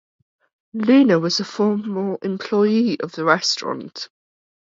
Luna was a former employee of the restaurant.